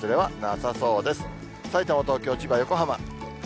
さいたま、東京、千葉、横浜。